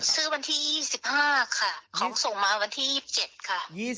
ซื้อวันที่๒๕ค่ะเขาส่งมาวันที่๒๗ค่ะ